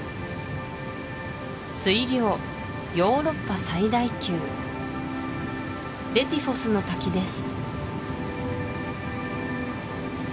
水量ヨーロッパ最大級デティフォスの滝です